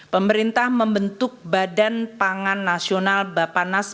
pemerintah membentuk badan pangan nasional bapanas